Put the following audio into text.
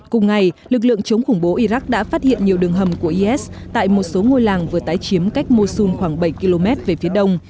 cùng ngày lực lượng chống khủng bố iraq đã phát hiện nhiều đường hầm của is tại một số ngôi làng vừa tái chiếm cách mosun khoảng bảy km về phía đông